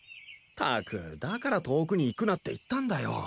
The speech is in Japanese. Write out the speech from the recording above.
ったくだから遠くに行くなって言ったんだよ。